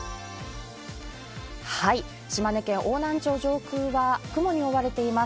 島根県邑南町上空は雲に覆われています。